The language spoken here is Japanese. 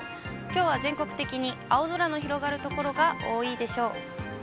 きょうは全国的に青空の広がる所が多いでしょう。